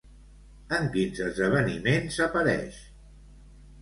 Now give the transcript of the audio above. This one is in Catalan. En quins esdeveniments apareix?